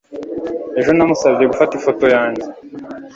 ejo, namusabye gufata ifoto yanjye